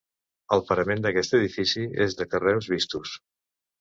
El parament d’aquest edifici és de carreus vistos.